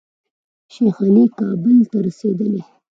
شیخ علي کابل ته رسېدلی.